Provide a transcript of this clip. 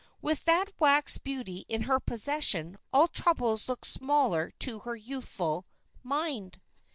With that wax beauty in her possession all troubles look smaller to her youthful mind."